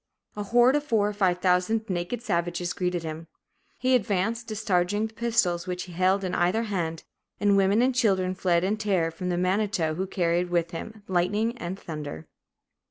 A horde of four or five thousand naked savages greeted him. He advanced, discharging the pistols which he held in either hand, and women and children fled in terror from the manitou who carried with him lightning and thunder.